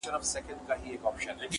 • لکه د ښایستو رنګونو په ترکیب کي-